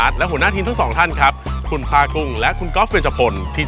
เชฟครับผมขอต่อเลยนะนะครับ